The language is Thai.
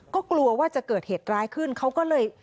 ก็กลัวว่าจะเกิดเหตุร้ายขึ้นเขาก็เลย